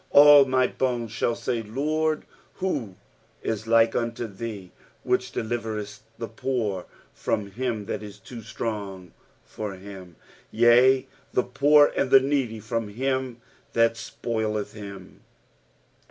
10 AH my bones shall say, LORD, who if like unto thee, which deliverest the poor from him that is too strong for him, yea, the poor and the needy from him that spoileth him?